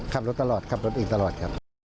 ขับรถตลอดขับรถอีกตลอดครับ